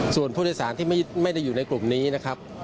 ส่วนผู้โดยสารที่ไม่ได้อยู่ในกลุ่มนี้นะครับ